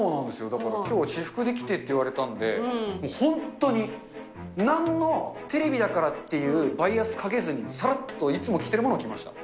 だから、きょうは私服で来てって言われたんで、本当になんのテレビだからっていうバイアスかけずにさらっといつも着てるものを着ました。